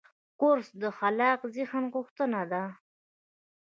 کورس د خلاق ذهن غوښتنه ده.